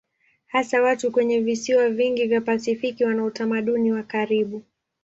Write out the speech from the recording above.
Hasa watu kwenye visiwa vingi vya Pasifiki wana utamaduni wa karibu.